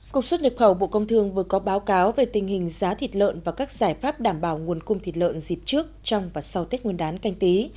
cục xuất nhập khẩu bộ công thương vừa có báo cáo về tình hình giá thịt lợn và các giải pháp đảm bảo nguồn cung thịt lợn dịp trước trong và sau tết nguyên đán canh tí